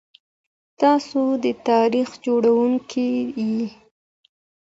تاسو د تاريخ جوړونکي يئ.